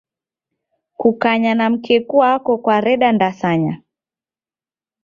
Kukanya na mkeku wako kwareda ndasanya.